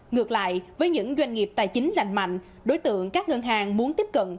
ngược lại với những doanh nghiệp tài chính lành mạnh đối tượng các ngân hàng muốn tiếp cận